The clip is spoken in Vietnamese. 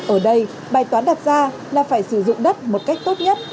ở đây bài toán đặt ra là phải sử dụng đất một cách tốt nhất